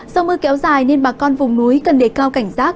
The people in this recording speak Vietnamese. do mưa kéo dài nên bà con vùng núi cần đề cao cảnh giác